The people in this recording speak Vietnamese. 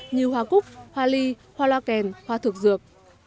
như hoa cúc hoa ly hoa la kèn hoa thực dược